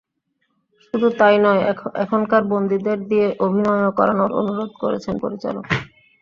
শুধু তা-ই নয়, এখানকার বন্দীদের দিয়ে অভিনয়ও করানোর অনুরোধ করেছেন পরিচালককে।